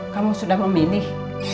kamu sudah memilih